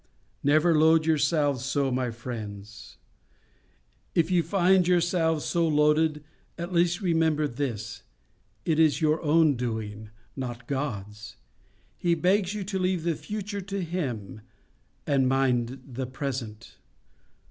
Never load yourselves so, my friends. If you find yourselves so loaded, at least remember this: it is your own doing, not God's. He begs you to leave the future to Him, and mind the present.